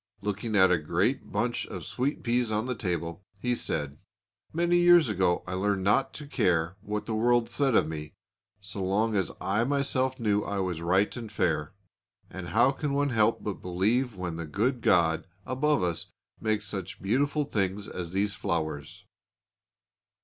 Looking at a great bunch of sweet peas on the table, he said: "Many years ago I learned not to care what the world said of me so long as I myself knew I was right and fair, and how can one help but believe when the good God above us makes such beautiful things as these flowers?"